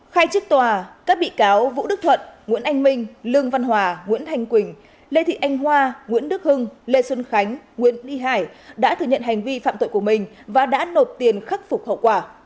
khai chức tòa các bị cáo vũ đức thuận nguyễn anh minh lương văn hòa nguyễn thanh quỳnh lê thị anh hoa nguyễn đức hưng lê xuân khánh nguyễn y hải đã thừa nhận hành vi phạm tội của mình và đã nộp tiền khắc phục hậu quả